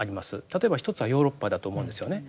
例えば一つはヨーロッパだと思うんですよね。